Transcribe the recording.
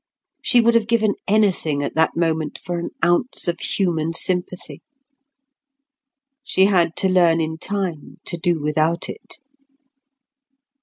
She would have given anything at that moment for an ounce of human sympathy. She had to learn in time to do without it.